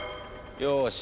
よし。